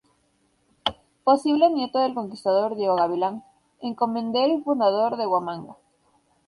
Posible nieto del conquistador Diego Gavilán, encomendero y fundador de Huamanga.